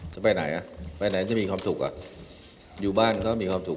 จะไปไหนอ่ะไปไหนจะมีความสุขอ่ะอยู่บ้านก็มีความสุข